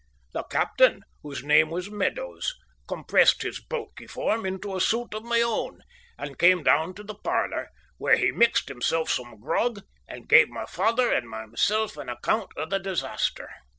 The captain, whose name was Meadows, compressed his bulky form into a suit of my own, and came down to the parlour, where he mixed himself some grog and gave my father and myself an account of the disaster.